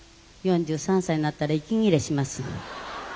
４３歳になったら息切れします」。